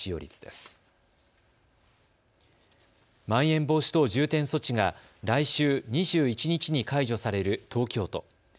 まん延防止等重点措置が来週２１日に解除される東京都。